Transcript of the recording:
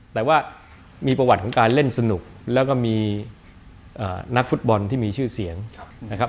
แต่ว่ามีประวัติของการเล่นสนุกแล้วก็มีนักฟุตบอลที่มีชื่อเสียงนะครับ